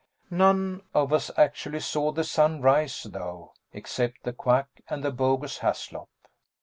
None of us actually saw the sun rise, though, except the Quack and the bogus Haslop.